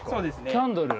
キャンドル？